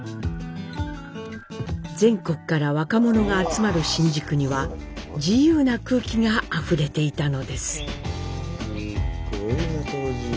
全国から若者が集まる新宿には自由な空気があふれていたのです。